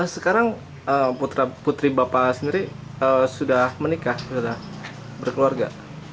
sekarang putra putri bapak sendiri sudah menikah berkeluarga